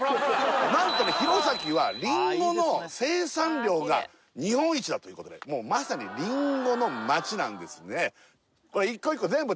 何とね弘前はりんごの生産量が日本一だということでもうまさにりんごの街なんですねね！